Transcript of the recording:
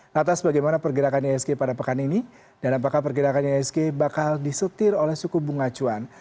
lantas bagaimana pergerakan ihsg pada pekan ini dan apakah pergerakan ihsg bakal disetir oleh suku bunga acuan